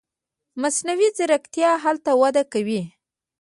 مصنوعي ځیرکتیا هلته وده کوي.